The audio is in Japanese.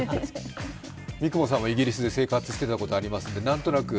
三雲さんもイギリスで生活されていたことありますけどなんとなく？